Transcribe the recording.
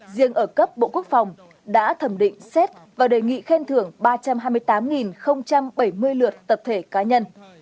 riêng ở cấp bộ quốc phòng đã thẩm định xét và đề nghị khen thưởng ba trăm hai mươi tám bảy mươi lượt tập thể cá nhân